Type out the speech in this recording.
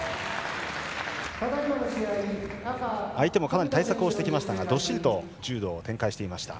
相手もかなり対策をしてきましたがどっしりと柔道を展開していました。